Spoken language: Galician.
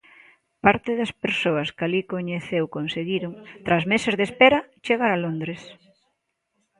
Parte das persoas que alí coñeceu conseguiron, tras meses de espera, chegar a Londres.